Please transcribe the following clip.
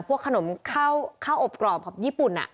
พวกขนมข้าวอบกรอบของญี่ปุ่น